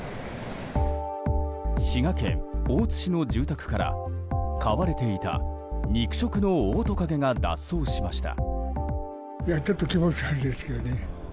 滋賀県大津市の住宅から飼われていた肉食のオオトカゲが脱走しました。